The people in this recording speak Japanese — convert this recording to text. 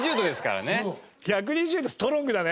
１２０度ストロングだね。